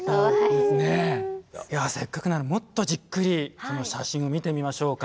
うん。いやせっかくならもっとじっくりその写真を見てみましょうか。